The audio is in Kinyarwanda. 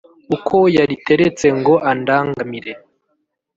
uko yariteretse ngo andangamire,